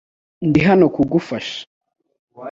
Ndi hano kugufasha .